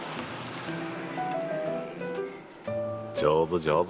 上手上手。